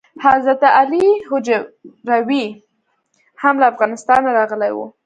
حضرت علي هجویري هم له افغانستانه راغلی و.